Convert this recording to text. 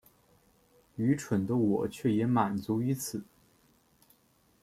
愚蠢的我却也满足於此